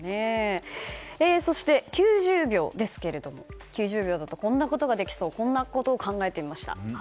そして、９０秒ですけども９０秒だとこんなことができそうということを考えてみました。